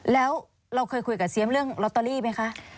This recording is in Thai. แล้วเราเคยคุยกับเซียมเรื่องลอตเตอรี่ไหมคะ